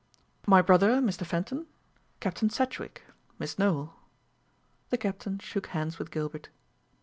"My brother Mr. Fenton, Captain Sedgewick, Miss Nowell." The Captain shook hands with Gilbert.